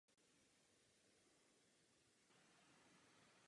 Nepotřebujeme ochrannou doložku.